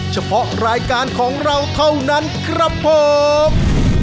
เฉพาะรายการของเราเท่านั้นครับผม